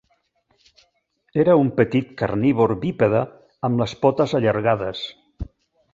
Era un petit carnívor bípede amb les potes allargades.